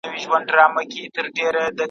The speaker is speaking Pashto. ماشومانو ته باید د وطن د مېنې کیسې تېرې کړل شي.